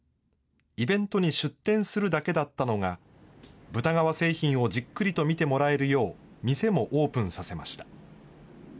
イベントに出展するだけだったのが、豚革製品をじっくりと見てもらえるよう、店もオープンさせました。